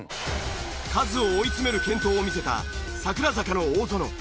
カズを追い詰める健闘を見せた櫻坂の大園。